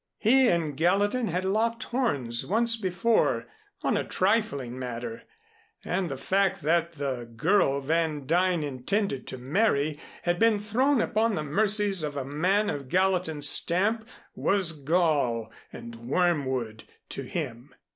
He and Gallatin had locked horns once before on a trifling matter, and the fact that the girl Van Duyn intended to marry had been thrown upon the mercies of a man of Gallatin's stamp was gall and wormwood to him.